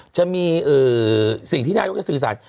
จะมีสิ่งที่นายกจะสื่อสาร